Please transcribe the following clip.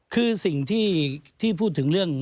คือสิ่งที่พูดถึงเรื่อง